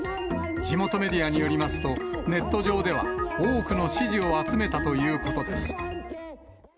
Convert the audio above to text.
地元メディアによりますと、ネット上では多くの支持を集めたということです。